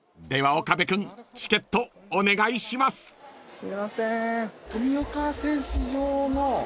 すいません。